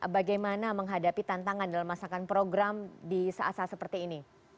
bagaimana menghadapi tantangan dalam masakan program di saat saat seperti ini